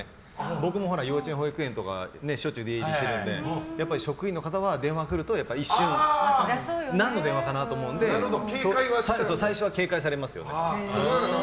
僕も幼稚園、保育園とかしょっちゅう行くのでやっぱり職員の方は電話来ると一瞬、何の電話かなと思うので最初は警戒されますよね。